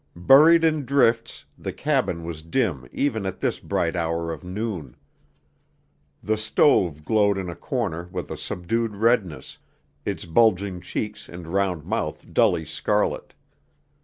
Buried in drifts, the cabin was dim even at this bright hour of noon. The stove glowed in a corner with a subdued redness, its bulging cheeks and round mouth dully scarlet.